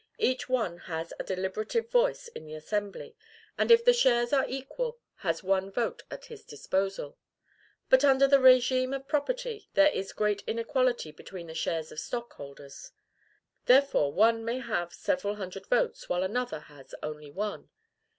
Each one has a deliberative voice in the assembly; and, if the shares are equal, has one vote at his disposal. But, under the regime of property, there is great inequality between the shares of the stockholders; therefore, one may have several hundred votes, while another has only one.